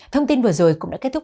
thông tin vừa rồi cũng đã kết thúc